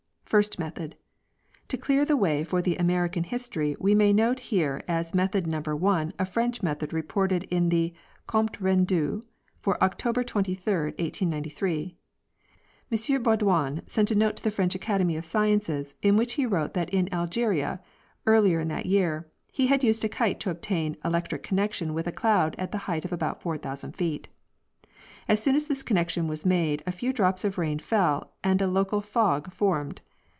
First Method.—To clear the way for the American history we may note here as method number one a French method reported in the Comptes Rendus for October 23, 1895. M Baudouin sent a note to the French Academy of Sciences in which he wrote that in Algeria, earlier in that year, he used a kite to obtain electric connection with a cloud at the height of about 4,000 feet. As soon as this connection was made a few drops of rain fell and a local fog formed.